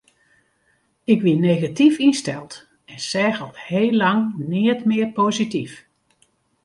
Ik wie negatyf ynsteld en seach al heel lang neat mear posityf.